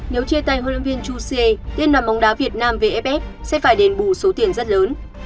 nếu chia tay huấn luyện viên chu xie tiên đoàn bóng đá việt nam vff sẽ phải đền bù số tiền rất lớn